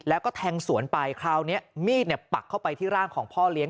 แล้วก็แทงสวนไปคราวนี้มีดปักเข้าไปที่ร่างของพ่อเลี้ย